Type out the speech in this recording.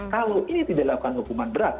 kalau ini tidak dilakukan hukuman berat